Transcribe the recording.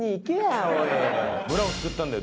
村を救ったんだよ